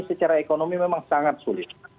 secara ekonomi memang sangat sulit